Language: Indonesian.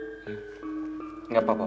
itu yang saya berharapkan tu